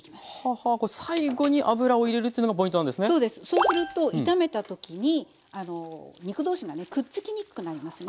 そうすると炒めた時に肉同士がくっつきにくくなりますね。